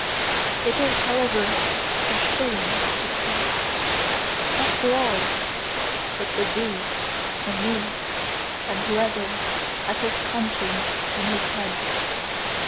It is however a shame to pray! Not for all, but for thee, and me, and whoever hath his conscience in his head.